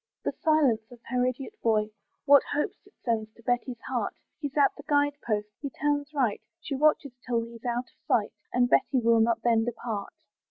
The silence of her idiot boy, What hopes it sends to Betty's heart! He's at the guide post he turns right, She watches till he's out of sight, And Betty will not then depart.